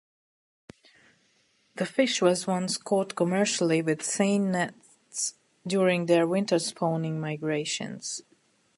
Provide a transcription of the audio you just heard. The fish was once caught commercially with seine nets during their winter spawning migrations.